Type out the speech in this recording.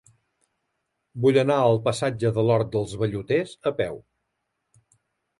Vull anar al passatge de l'Hort dels Velluters a peu.